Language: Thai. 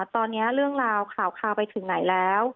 ตอนนี้เรื่องราวข่าวไปถึงไหนแล้ว